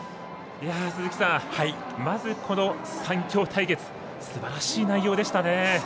鈴木さん、まず、この３強対決すばらしい内容でしたね。